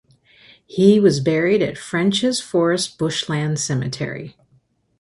He was buried at Frenchs Forest Bushland Cemetery.